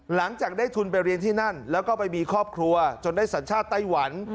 หลังจากได้ทุนไปเรียนที่นั่นแล้วก็ไปมีครอบครัวจนได้สัญชาติไต้หวัน